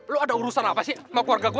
lu ada urusan apa sih sama keluarga gua